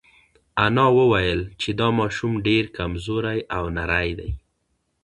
انا وویل چې دا ماشوم ډېر کمزوری او نری دی.